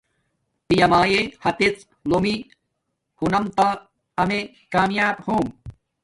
پیامایے ہاتس لومی ھنوم تا امیے کامیاپ ہوم